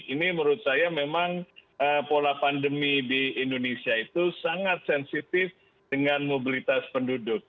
ini menurut saya memang pola pandemi di indonesia itu sangat sensitif dengan mobilitas penduduk